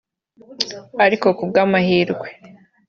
Ariko ku bw’amahirwe